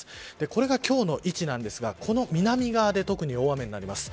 これが今日の位置なんですがこの南側で特に大雨になります。